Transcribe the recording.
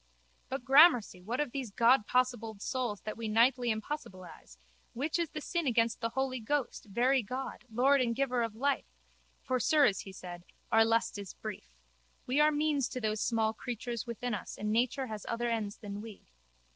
But, gramercy, what of those Godpossibled souls that we nightly impossibilise, which is the sin against the Holy Ghost, Very God, Lord and Giver of Life? For, sirs, he said, our lust is brief. We are means to those small creatures within us and nature has other ends than we.